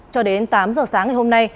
cho đến tám giờ sáng ngày hôm nay